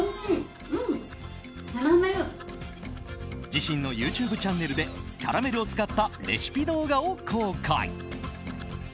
自身のＹｏｕＴｕｂｅチャンネルでキャラメルを使ったレシピ動画を公開。